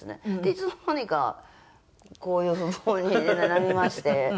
いつの間にかこういう風になりまして。